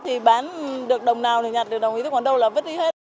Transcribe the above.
thì bán được đồng nào thì nhặt được đồng ý tức còn đâu là vứt đi hết